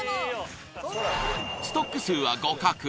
ストック数は互角。